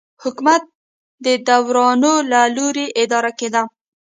حکومت د داورانو له لوري اداره کېده.